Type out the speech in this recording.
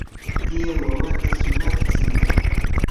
tiyaa wawata shumaqtsin.